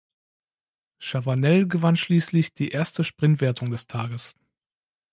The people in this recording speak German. Chavanel gewann schließlich die erste Sprintwertung des Tages.